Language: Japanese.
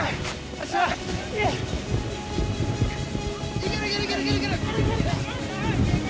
いけるいけるいける！